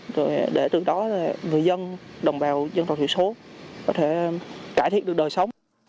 rồi để từ đó người dân đồng bào dân tộc thủy số có thể cải thiện được đời sống